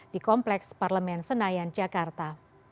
di kompleks parlemen senayan jakarta